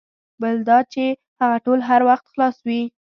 بله دا چې هغه هوټل هر وخت خلاص وي.